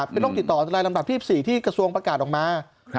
ไม่ต้องติดต่อรายลำดับที่๑๔ที่กระทรวงประกาศออกมา